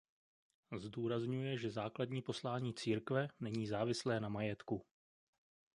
Zdůrazňuje že základní poslání církve není závislé na majetku.